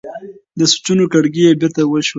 د سوچونو کړکۍ یې بېرته شوه.